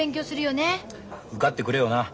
受かってくれよな。